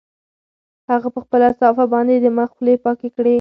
هغه په خپله صافه باندې د مخ خولې پاکې کړې.